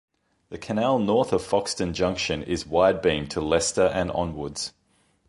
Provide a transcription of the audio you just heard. The canal north of Foxton Junction is wide-beam to Leicester and onwards.